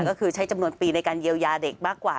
ก็คือใช้จำนวนปีในการเยียวยาเด็กมากกว่า